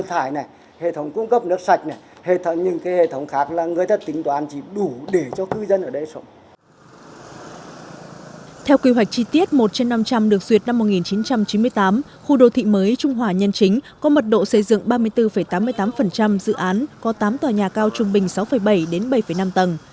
theo quy hoạch chi tiết một trên năm trăm linh được duyệt năm một nghìn chín trăm chín mươi tám khu đô thị mới trung hòa nhân chính có mật độ xây dựng ba mươi bốn tám mươi tám dự án có tám tòa nhà cao trung bình sáu bảy đến bảy năm tầng